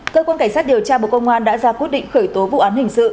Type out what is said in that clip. cơ quan cảnh sát điều tra bộ công an đã ra quyết định khởi tố vụ án hình sự